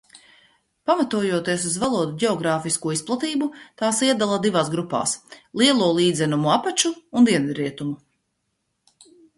Pamatojoties uz valodu ģeogrāfisko izplatību, tās iedala divās grupās: Lielo līdzenumu apaču un Dienvidrietumu.